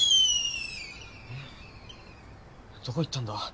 どこ行ったんだ？